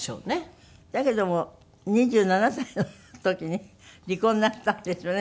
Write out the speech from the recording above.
だけども２７歳の時に離婚なすったんですよね？